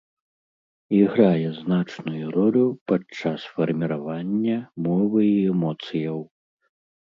Іграе значную ролю падчас фарміравання мовы і эмоцыяў.